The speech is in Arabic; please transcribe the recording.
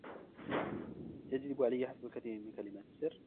يجب عليَ حفظ الكثير من كلمات السر.